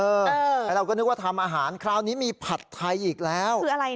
เราก็นึกว่าทำอาหารคราวนี้มีผัดไทยอีกแล้วคืออะไร